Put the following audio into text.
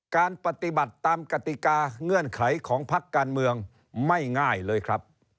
การปฏิบัติตามกติกาเงื่อนไขของพักการเมืองไม่ง่ายเลยครับ